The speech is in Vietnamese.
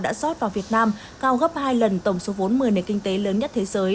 đã rót vào việt nam cao gấp hai lần tổng số vốn một mươi nền kinh tế lớn nhất thế giới